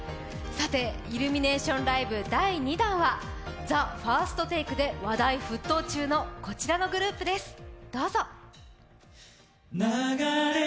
さて、イルミネーションライブ第２弾は、「ＴＨＥＦＩＲＳＴＴＡＫＥ」で話題沸騰中のこちらのグループです。